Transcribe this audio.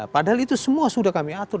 padahal itu semua sudah kami atur